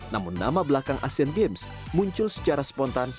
namun nama belakang asean games muncul secara spontan